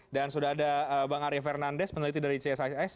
dan sudah ada bang arya fernandes peneliti dari csis